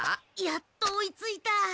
やっと追いついた。